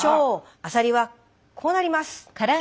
アサリはこうなります！